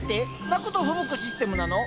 泣くとふぶくシステムなの？